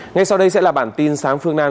ngay sau đây sẽ là bản tin sáng phương nam